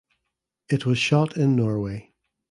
It was shot in Norway.